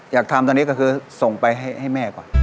อยากทำตอนนี้ก็คือส่งไปให้แม่ก่อน